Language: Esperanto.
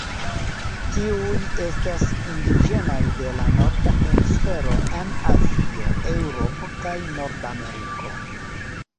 Tiuj estas indiĝenaj de la Norda Hemisfero en Azio, Eŭropo kaj Nordameriko.